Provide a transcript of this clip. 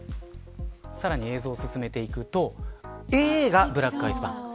さらに映像を進めていくとＡがブラックアイスバーン。